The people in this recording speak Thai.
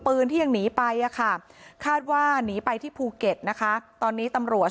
ปืนที่ยังหนีไปอ่ะค่ะคาดว่าหนีไปที่ภูเก็ตนะคะตอนนี้ตำรวจ